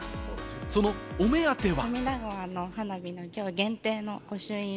そのお目当ては。